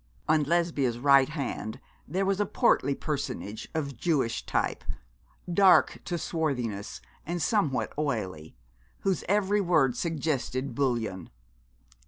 On Lesbia's right hand there was a portly personage of Jewish type, dark to swarthiness, and somewhat oily, whose every word suggested bullion.